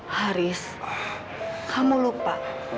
haris kamu lupa